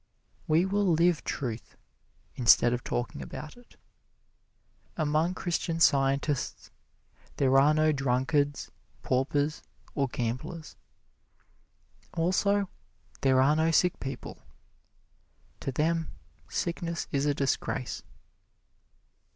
We will live truth instead of talking about it. Among Christian Scientists there are no drunkards, paupers or gamblers. Also, there are no sick people. To them sickness is a disgrace.